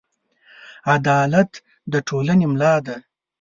عدالت د ټولنې ملا ده.